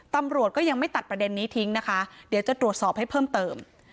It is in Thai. ตำรวจก็ยังไม่ตัดประเด็นนี้ทิ้งนะคะเดี๋ยวจะตรวจสอบให้เพิ่มเติม